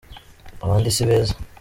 abandi sibeza